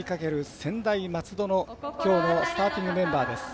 専大松戸のきょうのスターティングメンバーです。